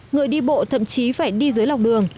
người đi bộ thậm chí phải đi dưới lòng đường